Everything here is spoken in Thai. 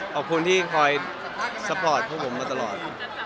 ขอบคุณที่คอยซัพพอร์ตพวกผมมาตลอด